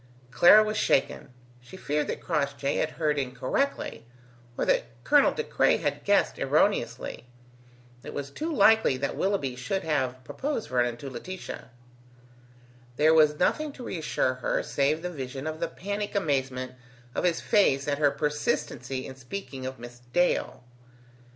Clara was shaken: she feared that Crossjay had heard incorrectly, or that Colonel De Craye had guessed erroneously. It was too likely that Willoughby should have proposed Vernon to Laetitia. There was nothing to reassure her save the vision of the panic amazement of his face at her persistency in speaking of Miss Dale.